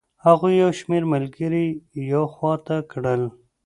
هغوی یو شمېر ملګري یې یوې خوا ته کړل.